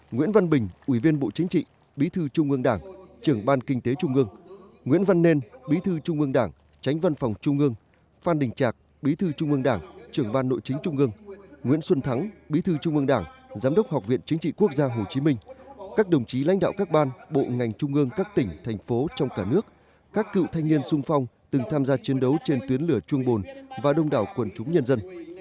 nguyễn văn bình ủy viên bộ chính trị bí thư trung ương đảng trưởng ban kinh tế trung ương nguyễn văn nên bí thư trung ương đảng tránh văn phòng trung ương phan đình trạc bí thư trung ương đảng trưởng ban nội chính trung ương nguyễn xuân thắng bí thư trung ương đảng giám đốc học viện chính trị quốc gia hồ chí minh các đồng chí lãnh đạo các ban bộ ngành trung ương các tỉnh thành phố trong cả nước các cựu thanh niên sung phong từng tham gia chiến đấu trên tuyến lửa chuông bồn và đông đảo quần trúng nhân dân